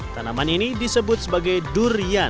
tanaman ini disebut sebagai durian